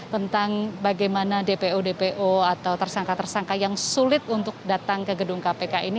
tentang bagaimana dpo dpo atau tersangka tersangka yang sulit untuk datang ke gedung kpk ini